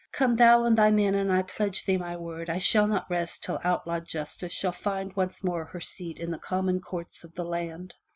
Come thou and thy men and I pledge thee my word I shall not rest till outlawed Justice shall find once more her seat in the common courts of the land!"